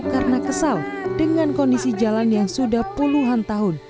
karena kesal dengan kondisi jalan yang sudah puluhan tahun